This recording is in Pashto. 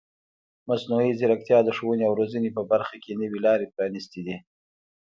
مصنوعي ځیرکتیا د ښوونې او روزنې په برخه کې نوې لارې پرانیستې دي.